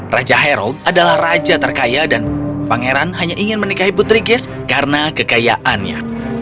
raja hairold adalah raja terkaya dan pangeran hanya ingin menikahi putri ges karena kekayaannya